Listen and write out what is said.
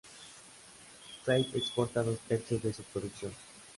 Fate exporta dos tercios de su producción.